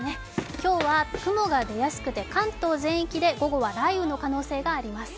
今日は雲が出やすくて、関東全域で午後は雷雨の可能性があります。